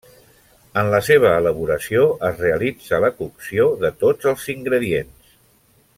En la seva elaboració es realitza la cocció de tots els ingredients.